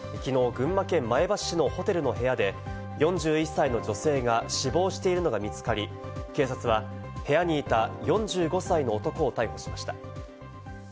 群馬県前橋市のホテルの部屋で４１歳の女性が死亡しているのが見つかり、警察は部屋にいた４５歳の男を逮捕しました。